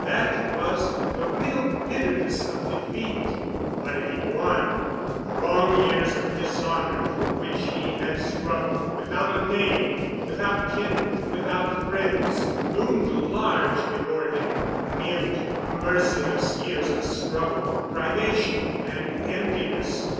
That was the real bitterness of defeat. But if he won? The long years of dishonor through which he had struggled, without a name, without kindred, without friends, loomed large before him—mute, merciless years of struggle, privation, and emptiness.